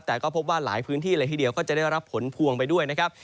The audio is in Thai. แต่ก็พบว่าหลายพื้นที่เลยทีเดียวก็จะได้รับผลพวงไปด้วยนะครับ